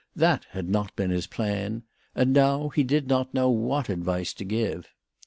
That had not been his plan ; and now he did not know what advice to give.